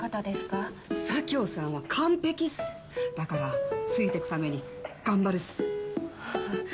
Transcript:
佐京さんは完璧っすだからついてくために頑張るっすはあ